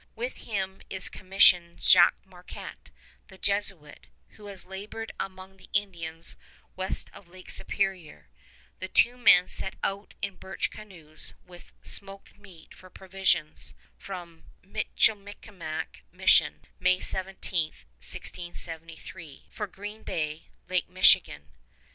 With him is commissioned Jacques Marquette, the Jesuit, who has labored among the Indians west of Lake Superior. The two men set out in birch canoes, with smoked meat for provisions, from Michilimackinac mission, May 17, 1673, for Green Bay, Lake Michigan.